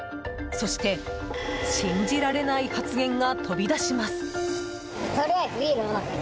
そして、信じられない発言が飛び出します。